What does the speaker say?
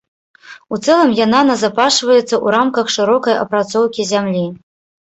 У цэлым яна назапашваецца ў рамках шырокай апрацоўкі зямлі.